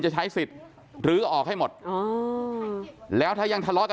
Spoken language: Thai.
จะไม่เคลียร์กันได้ง่ายนะครับ